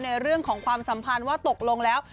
ในเรื่องของความสัมพันธ์ว่าตกลงแล้ว